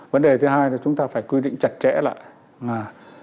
vấn đề thứ hai là chúng ta phải quy định chặt chẽ lại là